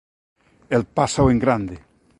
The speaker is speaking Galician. El pásao en grande.